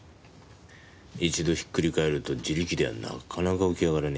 一度ひっくり返ると自力ではなかなか起き上がれねえ。